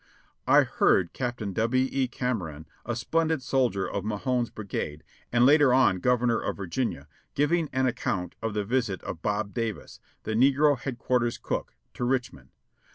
I heard Captain W. E. Cameron, a splendid soldier of Mahone's brigade, and later on Governor of Virginia, giving an account of the visit of Bob Davis, the negro headquarters cook, to Richmond.